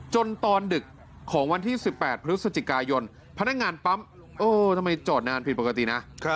ตอนดึกของวันที่๑๘พฤศจิกายนพนักงานปั๊มเออทำไมจอดนานผิดปกตินะ